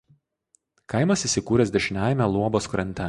Kaimas įsikūręs dešiniajame Luobos krante.